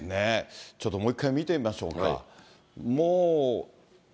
ちょっともう一回見てみましょうか。